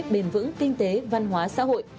bền vững kinh tế văn hóa xã hội